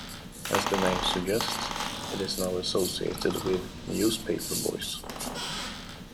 As the name suggests, it is now associated with newspaper boys.